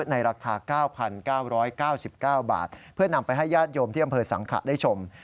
ในราคา๙๙๙๙๙บาทเพื่อนำไปให้ญาติโยมที่อำเภอสังขะได้ชม